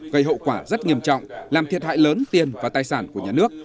gây hậu quả rất nghiêm trọng làm thiệt hại lớn tiền và tài sản của nhà nước